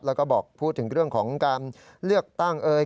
แล้วก็บอกพูดถึงเรื่องของการเลือกตั้งเอ่ย